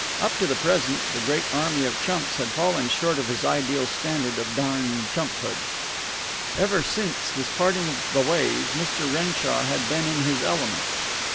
Up to the present the great army of chumps had fallen short of this ideal standard of darned chumphood. Ever since this parting of the ways, Mr. Renshaw had been in his element.